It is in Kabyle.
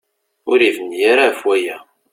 Ur yebni ara ɣef waya.